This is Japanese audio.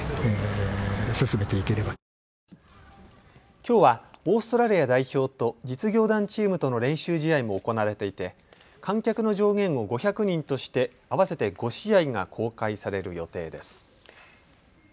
きょうはオーストラリア代表と実業団チームとの練習試合も行われていて観客の上限を５００人として合わせて５試合が公開される予定です。